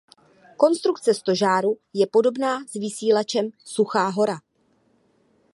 Konstrukce stožáru je podobná s vysílačem Suchá hora.